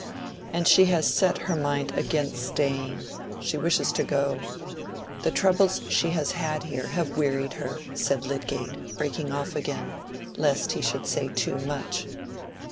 "And she has set her mind against staying. She wishes to go. The troubles she has had here have wearied her," said Lydgate, breaking off again, lest he should say too much.